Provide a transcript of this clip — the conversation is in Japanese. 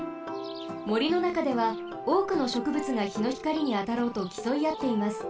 もりのなかではおおくのしょくぶつがひのひかりにあたろうときそいあっています。